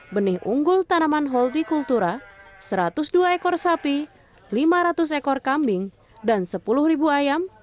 benih unggul tanaman holti kultura satu ratus dua ekor sapi lima ratus ekor kambing dan sepuluh ayam